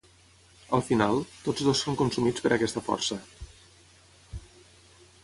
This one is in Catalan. Al final, tots dos són consumits per aquesta força.